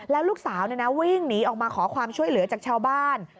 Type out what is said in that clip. แล้วลูกสาววิ่งหนีออกมาขอความช่วยเหลือจากชาวบ้าน